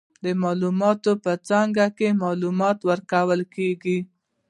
د معلوماتو په څانګه کې، معلومات ورکول کیږي.